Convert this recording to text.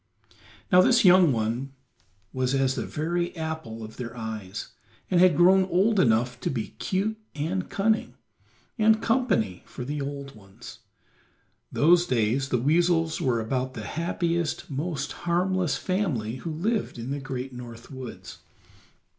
Now this young one was as the very apple of their eyes, and had grown old enough to be cute and cunning, and company for the old ones; those days the weasels were about the happiest, most harmless family who lived in the great North woods.